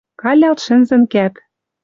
Калялт шӹнзӹн кӓп.